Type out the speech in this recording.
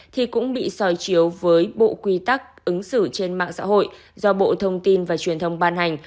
thì cũng bị soi chiếu với bộ quy tắc ứng xử trên mạng xã hội do bộ thông tin và truyền thông ban hành